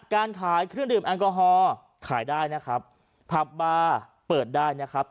การขายเครื่องดื่มแอลกอฮอล์ขายได้นะครับผับบาร์เปิดได้นะครับ